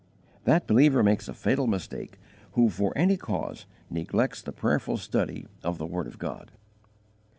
That believer makes a fatal mistake who for any cause neglects the prayerful study of the word of God.